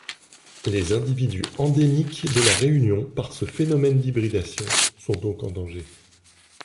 Les individus endémiques de La Réunion par ce phénomène d'hybridation sont donc en danger.